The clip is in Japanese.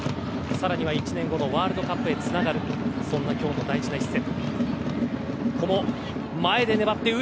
更に１年後のワールドカップへつながるそんな今日の大事な一戦。